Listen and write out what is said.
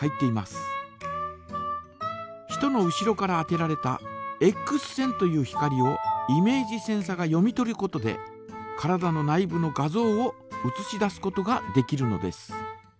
人の後ろから当てられたエックス線という光をイメージセンサが読み取ることで体の内部の画像をうつし出すことができるのです。